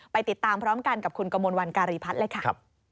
ไปติดตามพร้อมกันกับคุณกมลวันการีพัฒน์เลยค่ะ